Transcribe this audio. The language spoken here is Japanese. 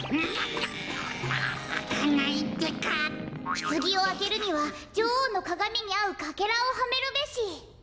「ひつぎをあけるにはじょおうのかがみにあうかけらをはめるべし」。